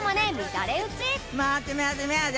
乱れ打ち！